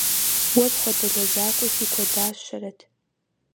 Уэ пхуэдэ лэжьакӀуэ си куэдащэрэт.